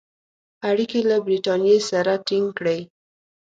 اړیکي له برټانیې سره تینګ کړي.